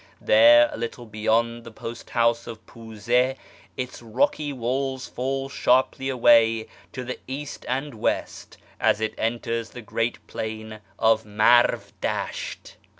There, a little beyond the post house of Puze, its rocky walls fall sharply away to the east and west as it enters the great plain of Marv Dasht.